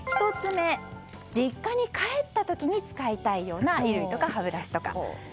１つ目、実家に帰った時に使いたいような衣類とか、歯ブラシとか。